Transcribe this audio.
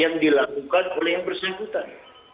yang dilakukan oleh yang bersangkutan